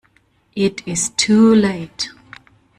It is too late.